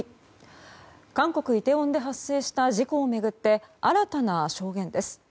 韓国イテウォンで発生した事故を巡って新たな証言です。